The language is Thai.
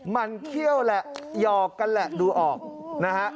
มันเขี้ยวแหละหยอกกันแหละดูออกนะฮะ